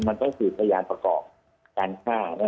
มันต้องถือประยานประกอบการฆ่านะครับ